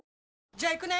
じゃあ行くね！